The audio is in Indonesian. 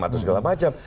atau segala macam